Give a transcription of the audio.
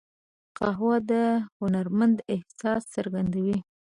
قهوه د هنرمند احساس څرګندوي